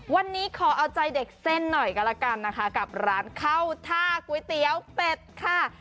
วันนี้ขอเอาใจเด็กเส้นหน่อยก็แล้วกันนะคะกับร้านเข้าท่าก๋วยเตี๋ยวเป็ดค่ะ